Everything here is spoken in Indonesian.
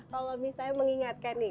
kalau misalnya mengingatkan nih